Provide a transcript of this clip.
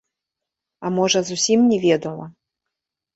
А можа зусім не ведала?